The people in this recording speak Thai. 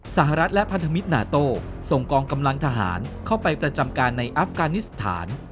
สหรัฐและพันธมิตรนาโต้ส่งกองกำลังทหารเข้าไปประจำการในอัฟกานิสถาน